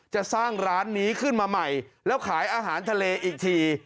จะสร้างร้านนี้ขึ้นมาใหม่แล้วขายอาหารทะเลอีกที